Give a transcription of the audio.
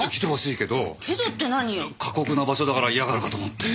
いや過酷な場所だから嫌がるかと思って。